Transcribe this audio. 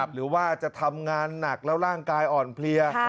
หรือว่าจะทำงานหนักแล้วร่างกายอ่อนเพลีย